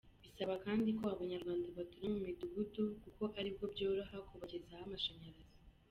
Bisaba kandi ko Abanyarwanda batura mu midugudu kuko ari bwo byoroha kubagezaho amashanyarazi.